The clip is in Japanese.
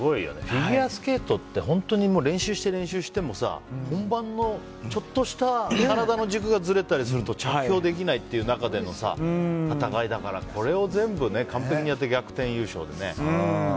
フィギュアスケートって本当に練習して、練習しても本番の、ちょっとした体の軸がずれたりすると着氷できないっていう中での戦いだからこれを全部完璧にやって逆転優勝でね。